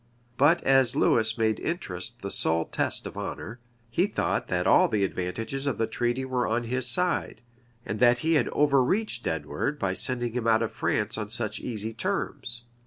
But as Lewis made interest the sole test of honor, he thought that all the advantages of the treaty were on his side, and that he had overreached Edward, by sending him out of France on such easy terms.